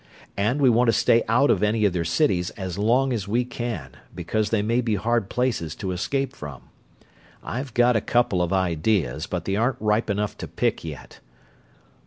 And we want to stay out of any of their cities as long as we can, because they may be hard places to escape from. I've got a couple of ideas, but they aren't ripe enough to pick yet....